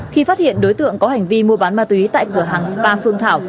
khi phát hiện đối tượng có hành vi mua bán ma túy tại cửa hàng spa phương thảo